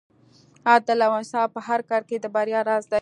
عدل او انصاف په هر کار کې د بریا راز دی.